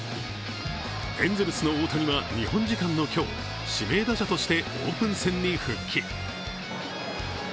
エンゼルスの大谷は、日本時間の今日、指名打者としてオープン戦に復帰。